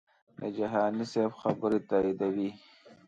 د جهاني صاحب خبرې تاییدوي.